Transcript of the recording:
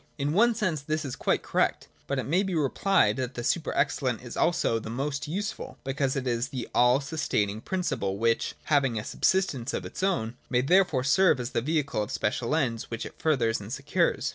In one sense this is quite correct : but it may be rephed that the super excellent is also the most useful : because it is the all sustaining principle which, having a subsistence of its own, may therefore serve as the vehicle of special ends which it furthers and secures.